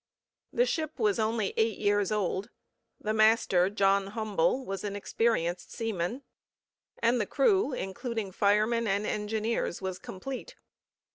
The ship was only eight years old; the master, John Humble, was an experienced seaman; and the crew, including firemen and engineers, was complete.